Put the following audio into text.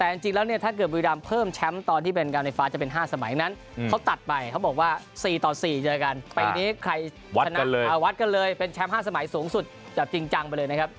แต่จริงแล้วเนี่ยถ้าเกิดบุรีรำเพิ่มแชมป์ตอนที่เป็นการไฟฟ้าจะเป็น๕สมัยนั้นเขาตัดไปเขาบอกว่า๔ต่อ๔เจอกันปีนี้ใครชนะเลยเอาวัดกันเลยเป็นแชมป์๕สมัยสูงสุดแบบจริงจังไปเลยนะครับ